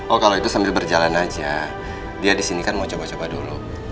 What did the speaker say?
oh kalau itu sambil berjalan aja dia di sini kan mau coba coba dulu